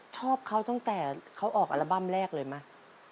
ชอบเขาตั้งแต่เขาออกอัลบั้มแรกเลยไหม